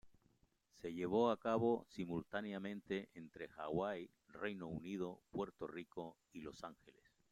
Se llevó a cabo simultáneamente entre Hawái, Reino Unido, Puerto Rico y Los Ángeles.